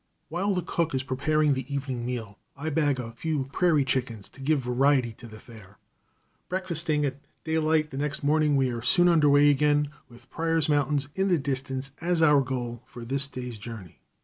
While the cook is preparing the evening meal, I bag a few prairie chickens to give variety to the fare. Breakfasting at daylight the next morning, we are soon under way again, with Pryor's Mountains in the distance as our goal for this day's journey.